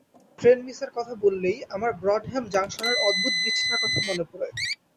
Train মিসের কথা বললেই আমার ব্রডহ্যাম জাংশনের অদ্ভুত ব্রিজটার কথা মনে পড়ে।